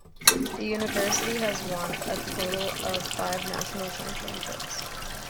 The university has won a total of five national championships.